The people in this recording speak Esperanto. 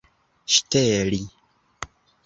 ŝteli